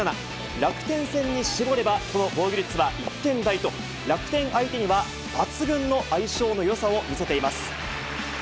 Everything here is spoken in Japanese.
楽天戦に絞れば、その防御率は１点台と、楽天相手には抜群の相性のよさを見せています。